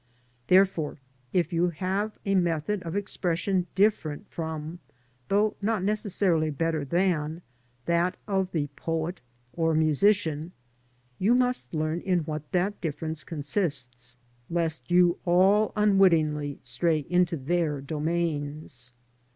Therefore if you have a method of expression different from (though not necessarily better than) that of the poet, or musician, you must learn in what that difference consists, lest you all unwittingly stray into their domains.